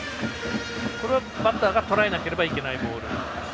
これはバッターがとらえなければいけないボール？